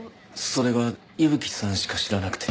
それが伊吹さんしか知らなくて。